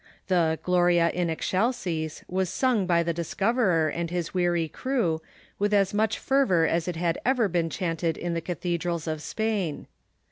The " Gloria in Excelsis " was sung by the discoverer and his weary crew with as much fervor as it had ever been chanted in the cathedrals of Spain.